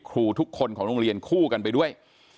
ครูทุกคนของโรงเรียนคู่กันไปด้วย